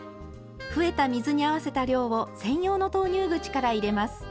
増えた水に合わせた量を専用の投入口から入れます。